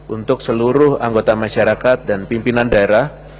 untuk seluruh anggota masyarakat dan pimpinan daerah